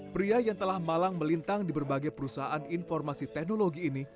pria yang telah malang melintang di berbagai perusahaan informasi teknologi ini